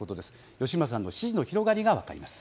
吉村さんの支持の広がりが分かります。